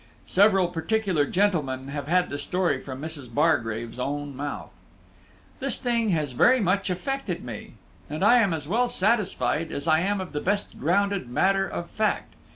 Several particular gentlemen have had the story from Mrs. Bargrave's own mouth. This thing has very much affected me, and I am as well satisfied as I am of the best grounded matter of fact.